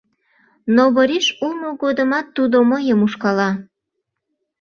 Но Бориш улмо годымат тудо мыйым ушкала.